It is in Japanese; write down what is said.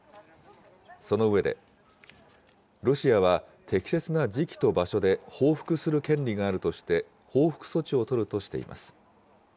その上で、ロシアは適切な時期と場所で報復する権利があるとして、報復措置を取るとしています。